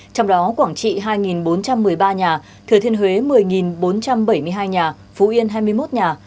trong đó quảng trị hai bốn trăm một mươi ba nhà thừa thiên huế một mươi bốn trăm bảy mươi hai nhà phú yên hai mươi một nhà